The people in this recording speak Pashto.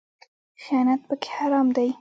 خیانت پکې حرام دی